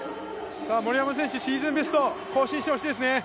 森山選手、シーズンベスト更新してほしいですね。